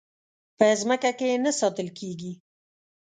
په ځمکه کې نه ساتل کېږي.